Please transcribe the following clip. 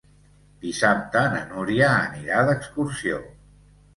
Dissabte na Núria anirà d'excursió.